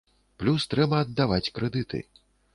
Плюс трэба аддаваць крэдыты.